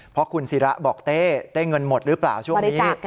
เพราะคุณศิระบอกเต้เต้เงินหมดหรือเปล่าช่วงนี้